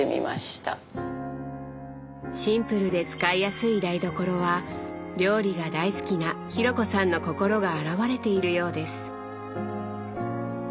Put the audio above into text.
シンプルで使いやすい台所は料理が大好きな紘子さんの心が表れているようです。